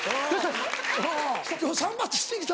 あ今日散髪してきた？